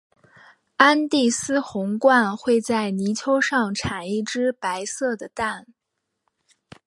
安第斯红鹳会在泥丘上产一只白色的蛋。